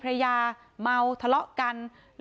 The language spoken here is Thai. ไปโบกรถจักรยานยนต์ของชาวอายุขวบกว่าเองนะคะ